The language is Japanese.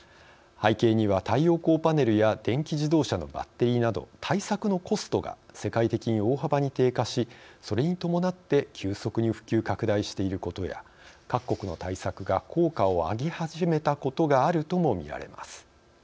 背景には、太陽光パネルや電気自動車のバッテリーなど対策のコストが世界的に大幅に低下しそれに伴って急速に普及拡大していることや各国の対策が効果を上げ始めたことがあるともみられます。